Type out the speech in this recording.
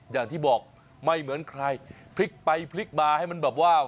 อย่างที่บอกไม่เหมือนใครพลิกไปพลิกมาให้มันแบบว่า